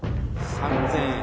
３０００円。